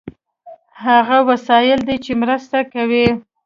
هغه وسایل دي چې مرسته کوي.